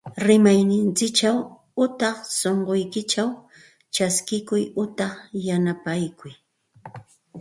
Ñuqanchikpaq ruraqta rimayninchikwan utaq sunqunchikwan chaskikuy utaq yanapakuy